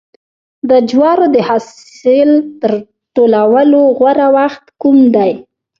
د جوارو د حاصل ټولولو غوره وخت کوم دی؟